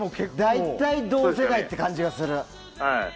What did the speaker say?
大体同世代って感じがする。